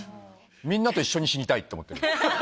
みんなと一緒に死にたいって思ってる。